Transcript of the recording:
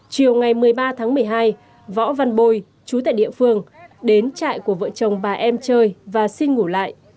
chiều ngày một mươi ba tháng một mươi hai võ văn bôi chú tại địa phương đến trại của vợ chồng bà em chơi và xin ngủ lại